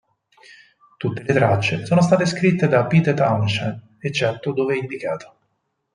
Tutte le tracce sono state scritte da Pete Townshend, eccetto dove indicato.